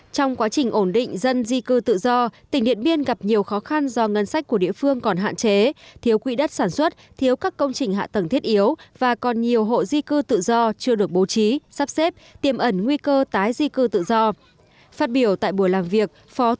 trong quá trình ổn định dân di cư tự do tỉnh điện biên gặp nhiều khó khăn do ngân sách của địa phương còn hạn chế thiếu quỹ đất sản xuất thiếu các công trình hạ tầng thiết yếu và còn nhiều hộ di cư tự do chưa được bố trí sắp xếp tiêm ẩn nguy cơ tái di cư tự do